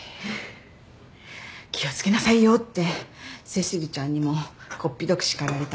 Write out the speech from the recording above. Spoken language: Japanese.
「気を付けなさいよ」ってセシルちゃんにもこっぴどく叱られた。